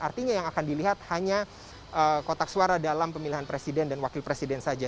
artinya yang akan dilihat hanya kotak suara dalam pemilihan presiden dan wakil presiden saja